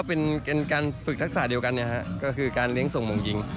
เป็นการฝึกทักษะเดียวกันก็คือการเลี้ยงส่งมงหญิง